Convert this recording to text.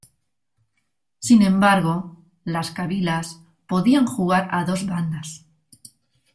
Sin embargo, las cabilas podían jugar a dos bandas.